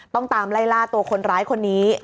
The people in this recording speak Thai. ต้องตามไล่ล่าตัวคนร้ายคนนี้